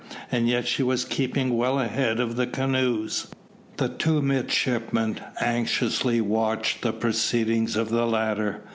As yet she was keeping well ahead of the canoes. The two midshipmen anxiously watched the proceedings of the latter.